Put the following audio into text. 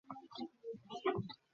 আপনাকে জানানোর কোন সুযোগই পাই নি।